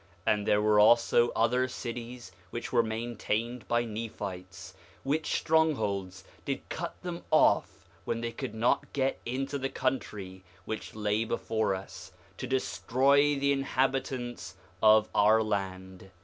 And there were also other cities which were maintained by Nephites, which strongholds did cut them off that they could not get into the country which lay before us, to destroy the inhabitants of our land.